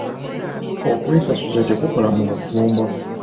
Okwesasuza tekukola mu bufumbo.